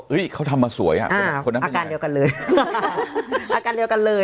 เขาทำมาสวยอ่ะคนนั้นอาการเดียวกันเลยอาการเดียวกันเลย